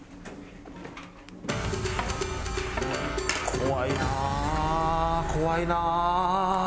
怖いな怖いな。